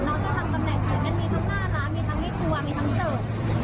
เราจะทำตำแหน่งไหนมันมีทั้งน่ารักมีทั้งไม่กลัวมีทั้งเสิร์ฟ